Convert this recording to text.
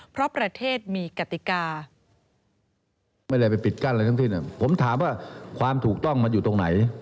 เพราะประเทศมีกติกา